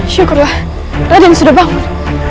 syukurlah raden sudah bangun